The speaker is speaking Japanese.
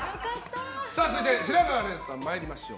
続いて白河れいさん参りましょう。